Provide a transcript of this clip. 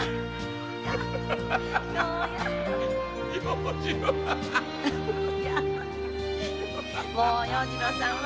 〔もう要次郎さんは！